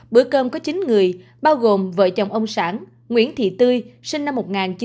bữa cơm có chín người bao gồm vợ chồng ông sản nguyễn thị tươi sinh năm một nghìn chín trăm tám mươi